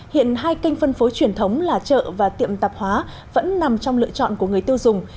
hiện hai kênh phân phối truyền thống là chợ và tiệm tạp hóa vẫn nằm trong lựa chọn của người tiêu dùng